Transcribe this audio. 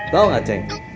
tau gak ceng